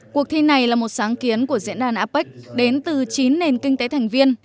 cuộc thi này là một sáng kiến của diễn đàn apec đến từ chín nền kinh tế thành viên